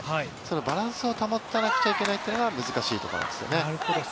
バランスを保たなくちゃいけないというのが難しいところなんですね。